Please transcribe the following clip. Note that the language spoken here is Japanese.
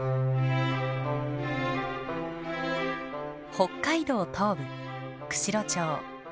北海道東部釧路町。